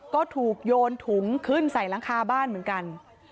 ก็ถูกโยนถุงขึ้นใส่หลังคาบ้านเหมือนกัน